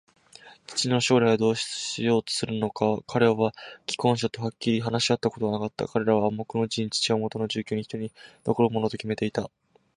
父の将来をどうしようとするのか、彼は婚約者とまだはっきり話し合ったことはなかった。彼らは暗黙のうちに、父はもとの住居すまいにひとり残るものときめていた